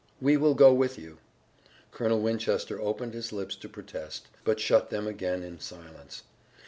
"We will go with you." Colonel Winchester opened his lips to protest, but shut them again in silence.